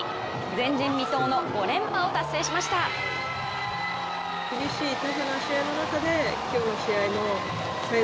前人未踏の５連覇を達成しました。